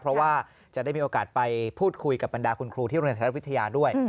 เพราะว่าจะได้มีโอกาสไปพูดคุยกับบรรดาคุณครูที่โรงเรียนไทยรัฐวิทยาด้วย